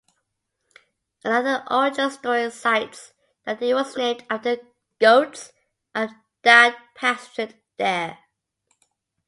Another origin story cites that it was named after goats that pastured there.